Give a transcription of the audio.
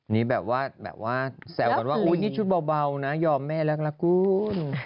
นี่แบบว่าแสวกันว่าอุ๊ยนี่ชุดเบานะยอมแม่รักละกุ้น